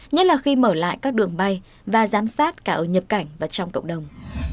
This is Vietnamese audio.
nhất là khi mở lại các đường bay và giám sát cả ở nhập cảnh và trong cộng đồng